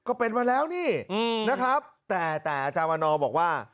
ก็เป็นมาแล้วนี่นะครับแต่แต่อาจารย์วันนอบอกว่า